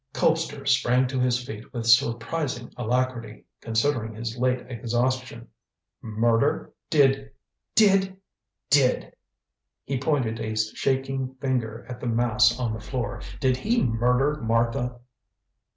Colpster sprang to his feet with surprising alacrity, considering his late exhaustion. "Murder! Did did did," he pointed a shaking finger at the mass on the floor, "did he murder Martha?"